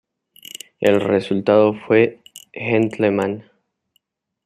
El resultado fue Gentleman.